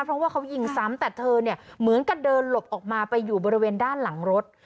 เพราะว่าเขายิงซ้ำแต่เธอเนี่ยเหมือนกับเดินหลบออกมาไปอยู่บริเวณด้านหลังรถ